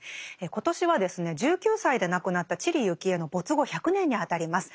今年はですね１９歳で亡くなった知里幸恵の没後１００年にあたります。